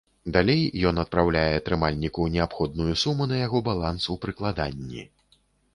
Далей ён адпраўляе атрымальніку неабходную суму на яго баланс у прыкладанні.